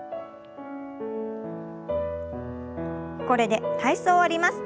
これで体操を終わります。